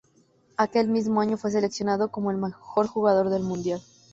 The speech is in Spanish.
Aquel mismo año fue seleccionado como el Mejor Jugador del Mundial.